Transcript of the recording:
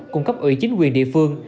cung cấp ủy chính quyền địa phương